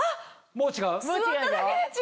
もう違う？